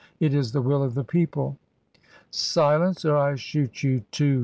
"It is the will of the people." "Silence! or I shoot you too!"